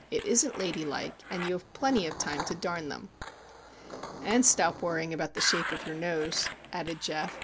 It isn't ladylike, and you have plenty of time to darn them." "And stop worrying about the shape of your nose," added Geof.